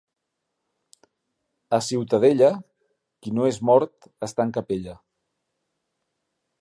A Ciutadella, qui no és mort, està en capella.